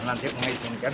nanti mengizinkan bisa jadi